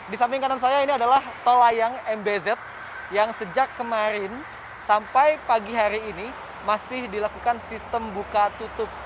di samping kanan saya ini adalah tol layang mbz yang sejak kemarin sampai pagi hari ini masih dilakukan sistem buka tutup